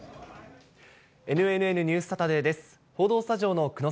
ＮＮＮニュースサタデーです。